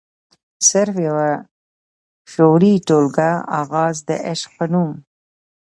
صرف يوه شعري ټولګه “اغاز َد عشق” پۀ نوم